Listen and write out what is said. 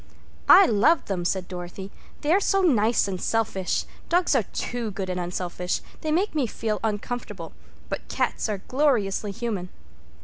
"I love them," said Dorothy. "They are so nice and selfish. Dogs are too good and unselfish. They make me feel uncomfortable. But cats are gloriously human."